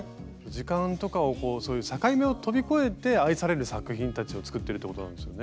時間とかをこうそういう境目を飛び越えて愛される作品たちを作ってるということなんですよね。